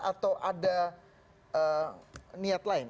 atau ada niat lain